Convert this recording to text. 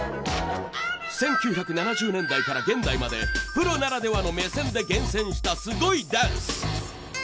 １９７０年代から現代までプロならではの目線で厳選したすごいダンス。